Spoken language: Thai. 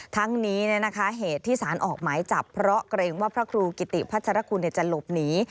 ทั้งนี้เหตุที่สารออกหมายจับเพราะเกรงว่าพระครูกิติพัชรคุณจะหลบหนี